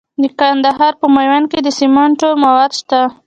د کندهار په میوند کې د سمنټو مواد شته.